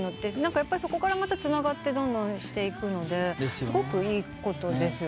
そこからまたつながってどんどんしていくのですごくいいことですよね。